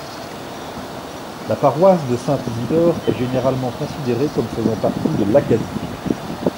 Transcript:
La paroisse de Saint-Isidore est généralement considérée comme faisant partie de l'Acadie.